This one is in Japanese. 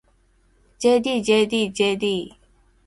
ｊｄｊｄｊｄ